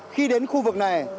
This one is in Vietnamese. khi đến khu vực này